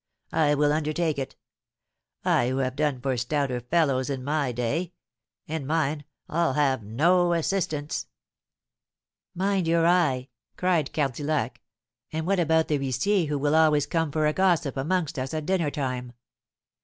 I will undertake it, I who have done for stouter fellows in my day; and mind, I'll have no assistance!" "Mind your eye!" cried Cardillac; "and what about the huissier who will always come for a gossip amongst us at dinner time?